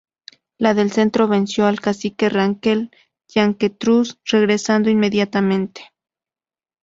La del centro venció al cacique ranquel Yanquetruz, regresando inmediatamente.